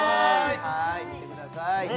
はい見てください